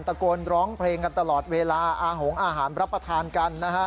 ตะโกนร้องเพลงกันตลอดเวลาอาหงอาหารรับประทานกันนะฮะ